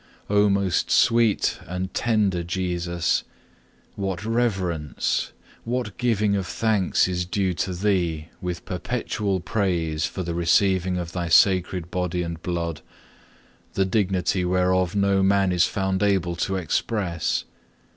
2. O most sweet and tender Jesus, what reverence, what giving of thanks is due to Thee with perpetual praise for the receiving of Thy sacred Body and Blood, the dignity whereof no man is found able to express.